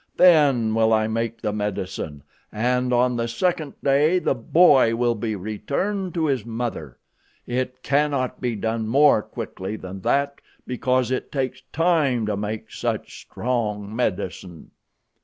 Then will I make the medicine, and on the second day the boy will be returned to his mother. It cannot be done more quickly than that because it takes time to make such strong medicine."